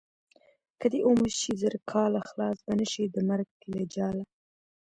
که دې عمر شي زر کاله خلاص به نشې د مرګ له جاله.